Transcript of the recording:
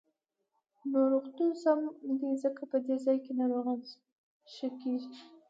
نو روغتون سم دی، ځکه په دې ځاى کې ناروغان ښه کېږي.